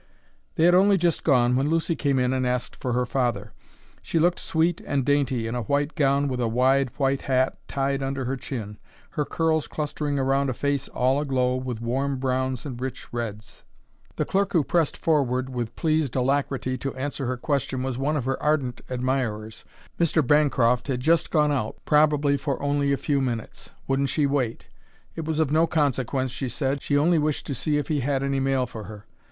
They had only just gone when Lucy came in and asked for her father. She looked sweet and dainty in a white gown with a wide white hat tied under her chin, her curls clustering around a face all aglow with warm browns and rich reds. The clerk who pressed forward with pleased alacrity to answer her question was one of her ardent admirers. Mr. Bancroft had just gone out, probably for only a few minutes; wouldn't she wait? It was of no consequence, she said; she only wished to see if he had any mail for her.